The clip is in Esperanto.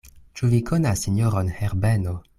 Ĉu vi konas sinjoron Herbeno?